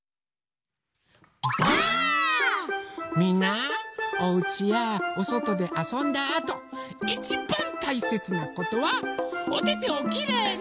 みんなおうちやおそとであそんだあといちばんたいせつなことはおててをきれいに。